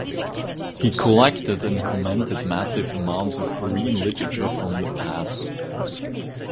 He collected and commented massive amounts of Korean literature from the past.